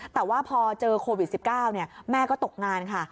แต่ว่าพอเจอโควิด๑๙แม่ก็ตกงานค่ะ